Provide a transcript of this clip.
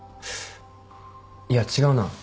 いや違うな。